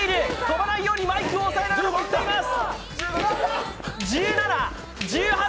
飛ばないようにマイクを押さえてます。